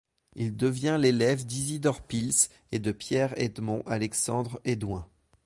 Il devient l'élève d'Isidore Pils et de Pierre Edmond Alexandre Hédouin.